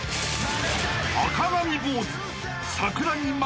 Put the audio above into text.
［赤髪坊主］